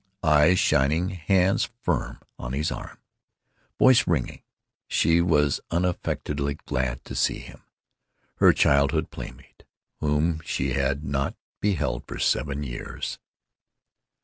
Eyes shining, hands firm on his arm, voice ringing, she was unaffectedly glad to see him—her childhood playmate, whom she had not beheld for seven years.